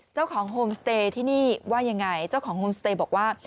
โฮมสเตย์ที่นี่ว่ายังไงเจ้าของโฮมสเตย์บอกว่า